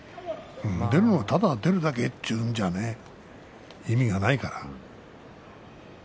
ただ、出るだけというんではね意味がないから。